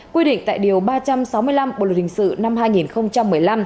quy định tại điều ba trăm sáu mươi năm bộ luật hình sự năm hai nghìn một mươi năm